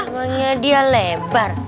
makanya dia lebar